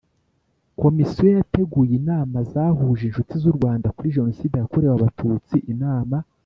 Komisiyo yateguye inama zahuje inshuti z u rwanda kuri jenoside yakorewe abatutsi inama